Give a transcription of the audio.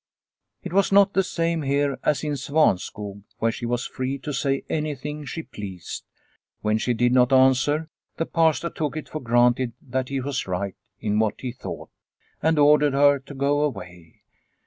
It was not the same here as in Svanskog, where she was free to say anything she pleased. When she did not answer, the Pastor took it for granted that he was right in what he thought, and ordered her to go away.